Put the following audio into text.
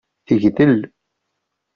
Tegdel.